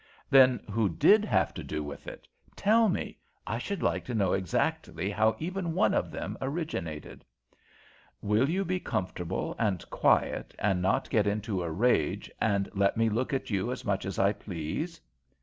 "Then who did have to do with it? Tell me; I should like to know exactly how even one of them originated." "Will you be comfortable and quiet and not get into a rage, and let me look at you as much as I please?"